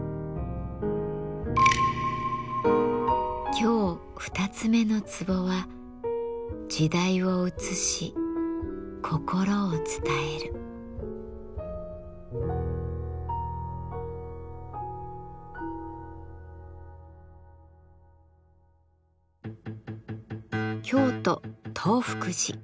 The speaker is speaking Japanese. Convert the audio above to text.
今日二つ目のツボは京都東福寺。